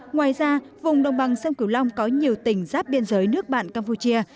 ngoài ra vùng đồng bằng sông cửu long có nhiều tỉnh giáp biên giới nước bạn campuchia